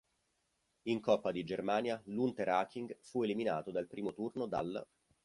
In coppa di Germania l'Unterhaching fu eliminato al primo turno dall'.